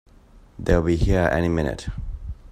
They'll be here any minute!